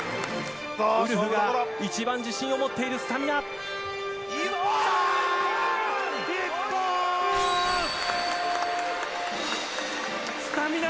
ウルフが一番自信を持っているスタミナ。